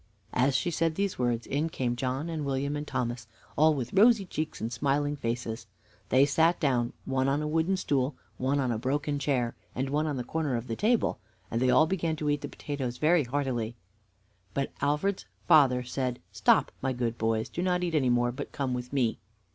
As she said these words in came John, and William, and Thomas, all with rosy cheeks and smiling faces. They sat down one on a wooden stool, one on a broken chair, and one on the corner of the table and they all began to eat the potatoes very heartily. But Alfred's father said: "Stop, my good boys; do not eat any more, but come with me."